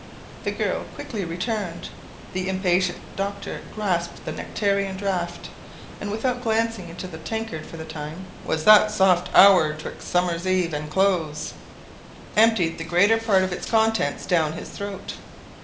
The girl quickly returned: the impatient doctor grasped the nectarian draught, and, without glancing into the tankard for the time "Was that soft hour 'twixt summer's eve and close," emptied the greater part of its contents down his throat.